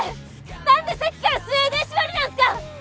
なんでさっきからスウェーデン縛りなんすか！？